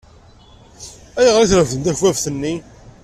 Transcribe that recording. Ayɣer i trefdem takbabt-nni?